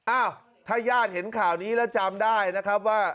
อ้าวถ้าญาติเห็นข่าวนี้แล้วจำได้นะครับว่า